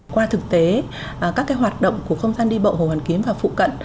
qua thực tế các hoạt động của không gian đi bộ hồ hoàn kiếm và phụ cận